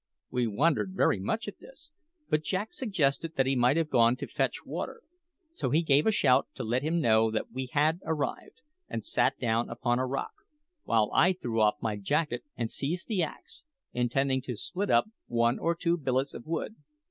We wondered very much at this; but Jack suggested that he might have gone to fetch water, so he gave a shout to let him know that we had arrived, and sat down upon a rock, while I threw off my jacket and seized the axe, intending to split up one or two billets of wood.